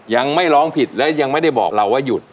ยังไม่ร้องผิดและยังไม่ได้บอกเราว่าหยุด